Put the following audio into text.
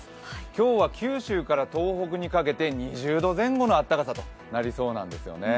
今日は九州から東北にかけて２０度前後のあったかさとなりそうなんですよね。